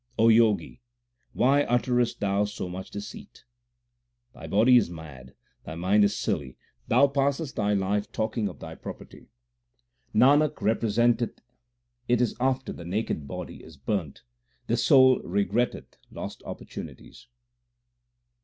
O Jogi, why utterest thou so much deceit ? Thy body is mad, 1 thy mind is silly, thou passest thy life talking of thy property. Nanak represent eth, it is after the naked body is burnt the soul regretteth lost opportunities.